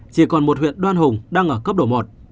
chỉ còn một huyện đoan hùng đang ở cấp độ một